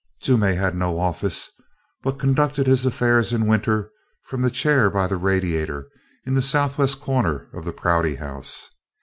Toomey had no office, but conducted his affairs in winter from the chair by the radiator in the southwest corner of the Prouty House.